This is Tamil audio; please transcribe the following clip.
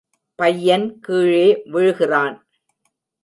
பையன் கீழே விழுகிறான்.